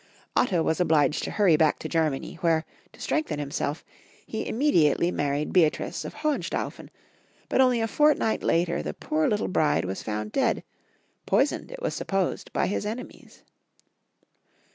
Otto was obliged to hurry back to Germany, where, to strengthen himself, he immediately married Beatrice of Hohenstaufen, but only a fortnight later the poor Uttle bride was found dead, poisoned, it was supposed, by his enemies.